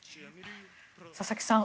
佐々木さん